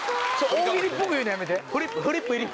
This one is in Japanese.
大喜利っぽく言うのやめて。